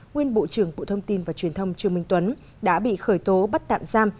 nguyên bộ trưởng bộ thông tin và truyền thông trương minh tuấn đã bị khởi tố bắt tạm giam